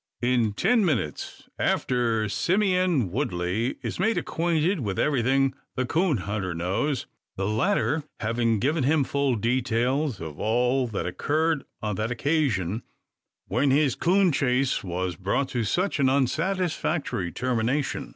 In ten minutes after, Simeon Woodley is made acquainted with everything the coon hunter knows; the latter having given him full details of all that occurred on that occasion when his coon chase was brought to such an unsatisfactory termination.